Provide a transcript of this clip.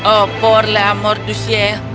oh purlah mordusia